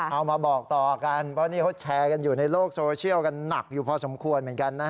เอามาบอกต่อกันเพราะนี่เขาแชร์กันอยู่ในโลกโซเชียลกันหนักอยู่พอสมควรเหมือนกันนะฮะ